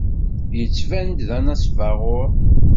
Yettban-d d anesbaɣur.